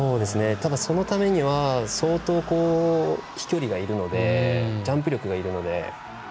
ただ、そのためには相当、飛距離がいるのでジャンプ力がいるので。